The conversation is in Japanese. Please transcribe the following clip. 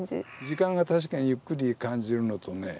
時間が確かにゆっくり感じるのとね